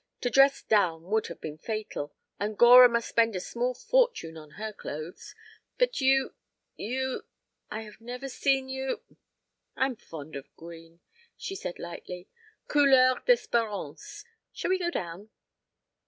To 'dress down' would have been fatal. And Gora must spend a small fortune on her clothes. ... But you ... you ... I have never seen you " "I am fond of green," she said lightly. "Couleur d'espérance. Shall we go down?"